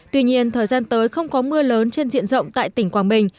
tuy nhiên thời gian tới không có mưa lớn trên diện rộng tại tỉnh quảng bình